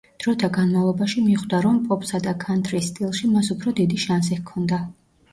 დროთა განმავლობაში მიხვდა რომ პოპსა და ქანთრის სტილში მას უფრო დიდი შანსი ჰქონდა.